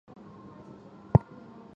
圣蒂尔。